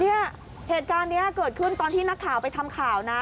เนี่ยเหตุการณ์นี้เกิดขึ้นตอนที่นักข่าวไปทำข่าวนะ